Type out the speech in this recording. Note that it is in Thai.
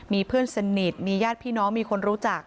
มีเพื่อนสนิทมีญาติพี่น้องมีคนรู้จัก